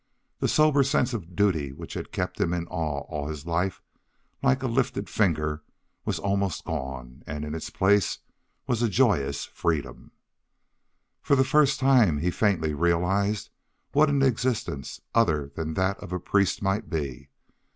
The sober sense of duty which had kept him in awe all his life like a lifted finger, was almost gone, and in its place was a joyous freedom. For the first time he faintly realized what an existence other than that of a priest might be.